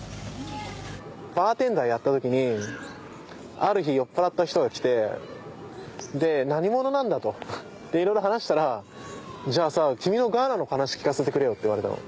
バーテンダーやった時にある日酔っぱらった人が来て「何者なんだ」と。でいろいろ話したら「じゃあさ君のガーナの話聞かせてくれよ」って言われたの。